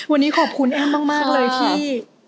วันนี้ขอบคุณแอ้มมากเลยที่